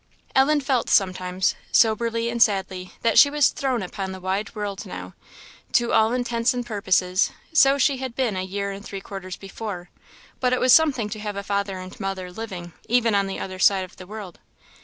Ellen felt sometimes, soberly and sadly, that she was thrown upon the wide world now. To all intents and purposes so she had been a year and three quarters before; but it was something to have a father and mother living, even on the other side of the world.